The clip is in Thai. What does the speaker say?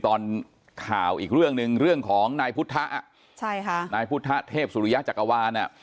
ตอนข่าวอีกเรื่องนึงเรื่องของนายพุทธะเทพสุริยะจักรวาล